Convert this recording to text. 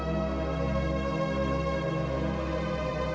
kenapa jadi begini sih